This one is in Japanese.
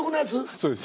そうです。